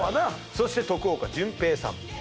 そして徳岡純平さん